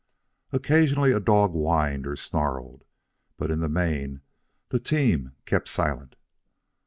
Occasionally a dog whined or snarled, but in the main the team kept silent.